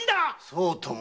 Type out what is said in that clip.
そうとも。